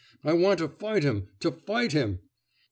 'I want to fight him, to fight him!...